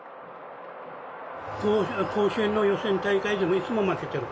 甲子園の予選大会でもいつも負けてる。